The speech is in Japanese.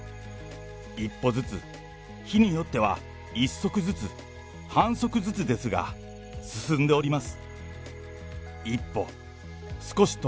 一歩ずつ、日によっては、一足ずつ半側ずつですが、進んでおります。